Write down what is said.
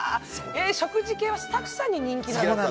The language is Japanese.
食事系はスタッフさんに人気なんですね。